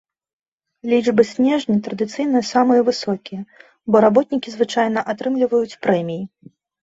Лічбы снежня традыцыйна самыя высокія, бо работнікі звычайна атрымліваюць прэміі.